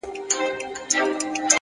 نیک عمل تل خپل اغېز پرېږدي.!